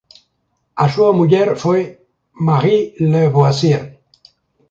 A súa muller foi Marie Lavoisier.